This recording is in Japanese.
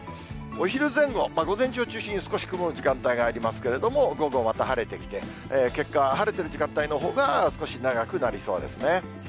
お昼前後、午前中を中心に少し曇る時間帯がありますけれども、午後また晴れてきて、結果、晴れてる時間帯のほうが少し長くなりそうですね。